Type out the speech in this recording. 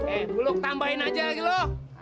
eh buluk tambahin aja lagi lu